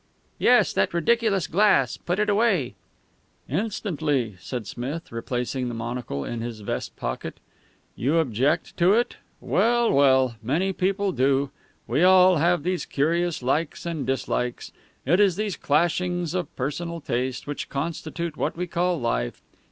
"Yes, that ridiculous glass. Put it away." "Instantly," said Smith, replacing the monocle in his vest pocket. "You object to it? Well, well, many people do. We all have these curious likes and dislikes. It is these clashings of personal taste which constitute what we call life.